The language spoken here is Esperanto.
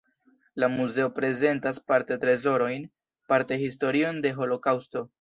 La muzeo prezentas parte trezorojn, parte historion de Holokaŭsto.